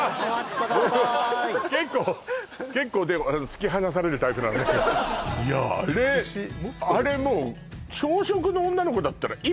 くださーい結構結構突き放されるタイプなのでいやあれあれもうじゃない？